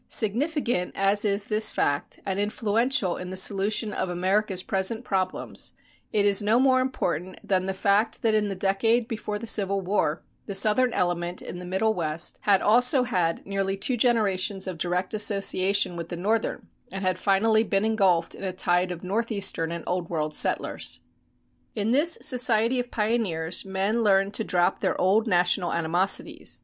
Significant as is this fact, and influential in the solution of America's present problems, it is no more important than the fact that in the decade before the Civil War, the Southern element in the Middle West had also had nearly two generations of direct association with the Northern, and had finally been engulfed in a tide of Northeastern and Old World settlers. In this society of pioneers men learned to drop their old national animosities.